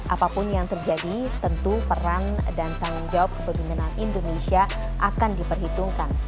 apapun yang terjadi tentu peran dan tanggung jawab kepemimpinan indonesia akan diperhitungkan